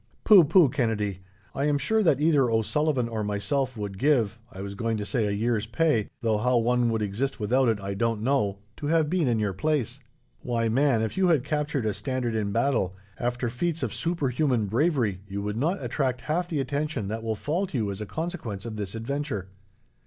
"Pooh, pooh, Kennedy! I am sure that either O'Sullivan or myself would give, I was going to say a year's pay, though how one would exist without it I don't know, to have been in your place. Why, man, if you had captured a standard in battle, after feats of superhuman bravery, you would not attract half the attention that will fall to you as a consequence of this adventure.